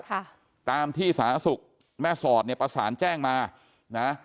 ค่ะตามที่สาธารณสุขแม่สอดเนี่ยประสานแจ้งมานะ